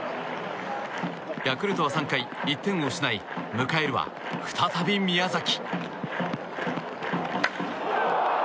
ヤクルトは３回１点を失い迎えるは、再び宮崎。